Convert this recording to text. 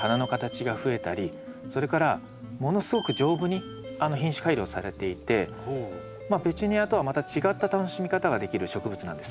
それからものすごく丈夫に品種改良されていてペチュニアとはまた違った楽しみ方ができる植物なんです。